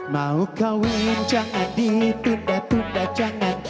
mau kawin jangan ditunda tunda jangan